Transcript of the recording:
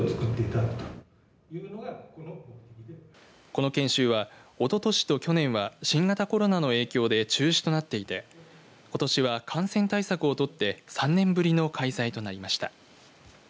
この研修は、おととしと去年は新型コロナの影響で中止となっていてことしは感染対策を取って３年ぶりの開催となりました。